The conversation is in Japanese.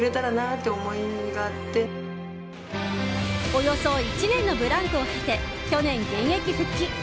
およそ１年のブランクを経て去年、現役復帰。